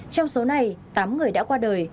trong số này tám người đã qua đời